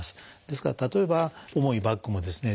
ですから例えば重いバッグもですね